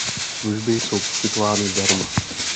Služby jsou poskytovány zdarma.